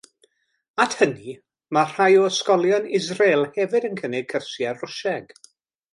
At hynny, mae rhai o ysgolion Israel hefyd yn cynnig cyrsiau Rwsieg.